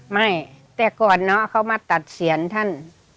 ไม่แต่ก่อนเนาะเขามาตัดเสียนท่าน